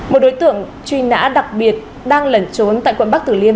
một đối tượng truy nã đặc biệt đang lẩn trốn tại quận bắc tử liêm